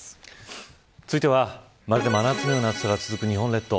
続いては、まるで真夏のような暑さが続く日本列島。